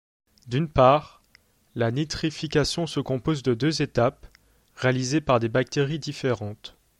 D’une part, la nitrification se compose de deux étapes, réalisées par des bactéries différentes.